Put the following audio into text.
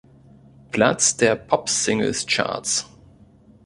Platz der Popsingles-Charts.